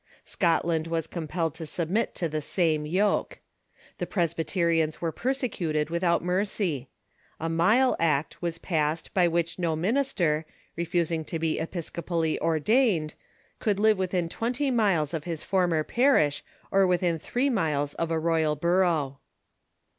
Scot land was compelled to subnet to the same yoke. The Presby terians were persecuted without mercy, A Mile Act was passed by which no minister, refusing to be episcopally ordained, could live within twenty miles of his former parish or within three miles of a royal borough.